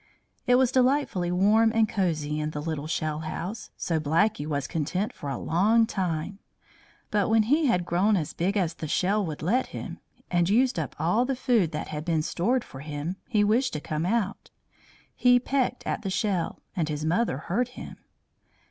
It was delightfully warm and cosy in the little shell house, so Blackie was content for a long time. But when he had grown as big as the shell would let him, and had used up all the food that had been stored for him, he wished to come out. He pecked at the shell, and his mother heard him.